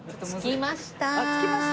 着きました。